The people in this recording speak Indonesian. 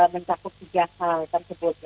mencakup tiga hal tersebut